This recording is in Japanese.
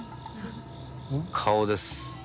顔です。